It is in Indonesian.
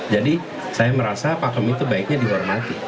jadi saya merasa pak kamenya itu baiknya dihormati